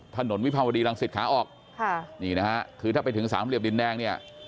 วิภาวดีรังสิตขาออกค่ะนี่นะฮะคือถ้าไปถึงสามเหลี่ยมดินแดงเนี่ย